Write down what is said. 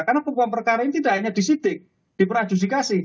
karena pengungkapan perkara ini tidak hanya disitik diperadjudikasi